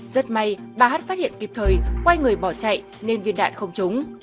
rất may bà hát phát hiện kịp thời quay người bỏ chạy nên viên đạn không trúng